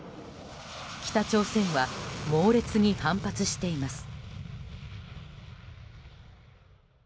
北朝鮮は猛烈に反発しています。